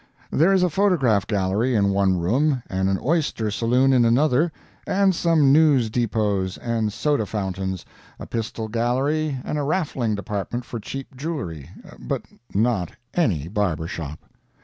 There is a photograph gallery in one room and an oyster saloon in another, and some news depots and soda fountains, a pistol gallery, and a raffling department for cheap jewelry, but not any barber shop.